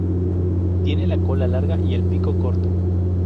Tiene la cola larga y el pico corto.